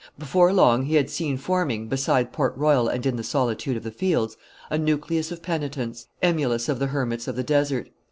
Before long he had seen forming, beside Port Royal and in the solitude of the fields, a nucleus of penitents, emulous of the hermits of the desert.